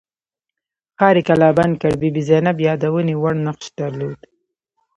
ښار یې کلابند کړ بي بي زینب یادونې وړ نقش درلود.